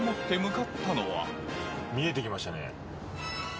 見えてきましたね。